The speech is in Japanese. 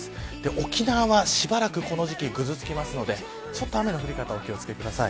沖縄はしばらくこの時期ぐずつきますので、雨の降り方にお気を付けください